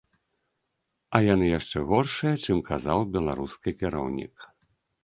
А яны яшчэ горшыя, чым казаў беларускі кіраўнік.